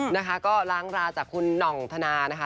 นะคะก็ล้างราจากคุณหน่องธนานะคะ